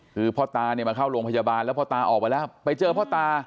คือพ่อตาเนี่ยมาเข้าโรงพยาบาลแล้วพ่อตาออกมาแล้วไปเจอพ่อตา